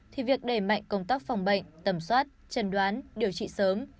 thì việc đẩy mạnh công tác phòng bệnh tầm soát trần đoán điều trị sớm